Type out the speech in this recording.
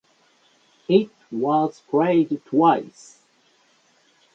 It was played twice.